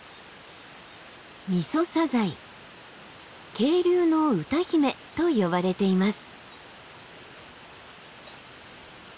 渓流の歌姫と呼ばれています。